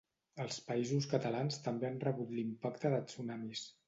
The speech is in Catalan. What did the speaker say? Els Països Catalans també han rebut l'impacte de tsunamis.